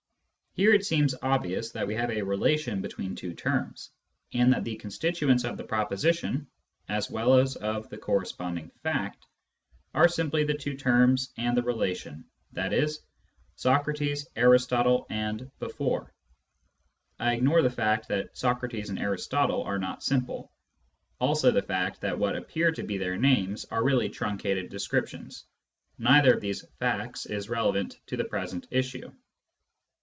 Here it seems obvious that we have a relation between two terms, and that the constituents of the proposition (as well as of the corresponding fact) are simply the two terms and the relation, i.e. Socrates, Aristotle, and before. (I ignore the fact that Socrates and Aristotle are not simple ; also the fact that what appear to be their names are really truncated descriptions. Neither of these facts is relevant to the present issue.)